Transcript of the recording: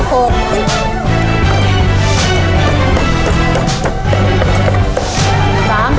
สุด